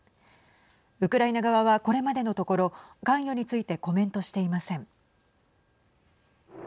ウクライナ側はこれまでのところ関与についてコメントしていません。